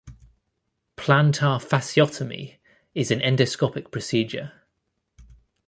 Plantar fasciotomy is an endoscopic procedure.